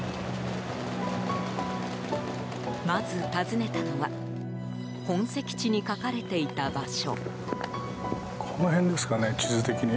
まず訪ねたのは本籍地に書かれていた場所。